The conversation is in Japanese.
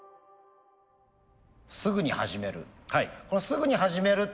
すぐに始める。